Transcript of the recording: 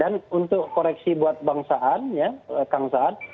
dan untuk koreksi buat bangsaan